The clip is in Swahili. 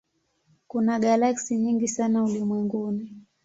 Kuna galaksi nyingi sana ulimwenguni.